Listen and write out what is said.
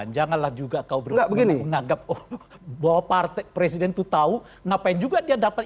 janganlah juga kau nggak begini menganggap bahwa partai presiden tuh tahu ngapain juga dia dapat